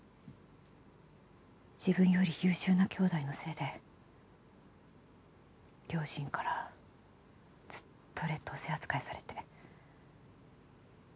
自分より優秀な兄弟のせいで両親からずっと劣等生扱いされて。